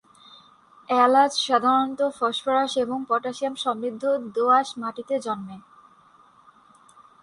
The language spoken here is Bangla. এলাচ সাধারণত ফসফরাস এবং পটাসিয়াম সমৃদ্ধ দোআঁশ মাটিতে জন্মে।